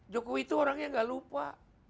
jokowi itu orangnya gak lupa